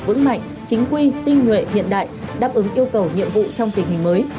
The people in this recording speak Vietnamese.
vững mạnh chính quy tinh nguyện hiện đại đáp ứng yêu cầu nhiệm vụ trong tình hình mới